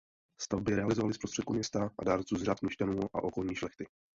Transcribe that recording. Stavbu realizovali z prostředků města a dárců z řad měšťanů a okolní šlechty.